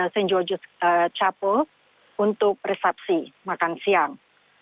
st george's chapel untuk resepsi makan siang